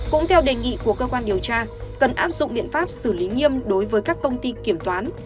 cũng theo đề nghị của cơ quan điều tra cần áp dụng biện pháp xử lý nghiêm đối với các công ty kiểm toán